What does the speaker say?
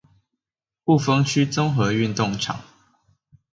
霧峰區綜合運動場